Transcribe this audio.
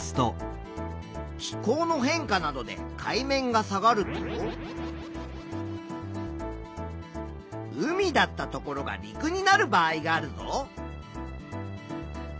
気候の変化などで海面が下がると海だったところが陸になる場合があるぞ。